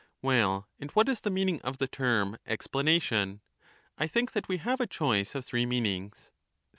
Well, and what is the meaning of the term ' explana Theaetetus, tion *? I think that we have a choice of three meanings.